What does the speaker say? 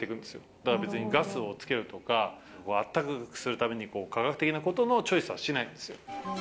だから別にガスをつけるとか、あったかくするために科学的なことのチョイスはしないんですよ。